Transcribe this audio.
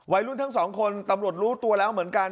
ทั้งสองคนตำรวจรู้ตัวแล้วเหมือนกัน